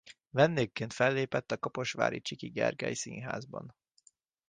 Vendégként fellépett a kaposvári Csiky Gergely Színházban.